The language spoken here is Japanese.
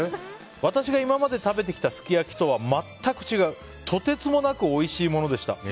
私が今まで食べてきたすき焼きとは全く違うとてつもなくおいしいものでした。